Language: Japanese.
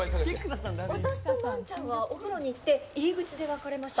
私と万ちゃんがお風呂に行って入り口で分かれました。